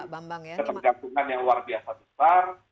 kita harus mengeluarkan ketergantungan yang luar biasa besar